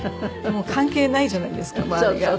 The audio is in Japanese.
もう関係ないじゃないですか周りが。